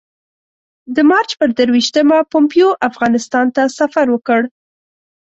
د مارچ پر درویشتمه پومپیو افغانستان ته سفر وکړ.